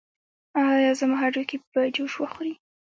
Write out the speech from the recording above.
ایا زما هډوکي به جوش وخوري؟